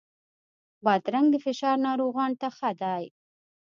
بادرنګ د فشار ناروغانو ته ښه دی.